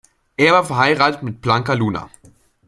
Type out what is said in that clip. Er war verheiratet mit Blanca Luna.